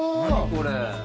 これ。